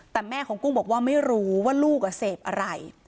แต่แม่ของกุ้งบอกว่าไม่รู้ว่าลูกเสพอะไร